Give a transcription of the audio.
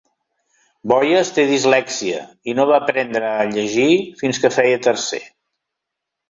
Boies té dislèxia i no va aprendre a llegit fins que feia tercer.